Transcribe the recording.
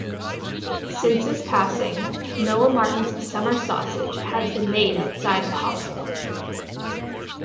Since his passing, Noah Martin's summer sausage has been made outside of Hawkesville.